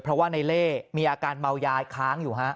เพราะว่าในเล่มีอาการเมายายค้างอยู่ฮะ